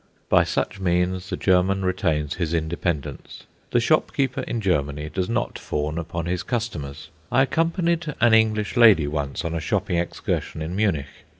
By such means the German retains his independence. The shopkeeper in Germany does not fawn upon his customers. I accompanied an English lady once on a shopping excursion in Munich.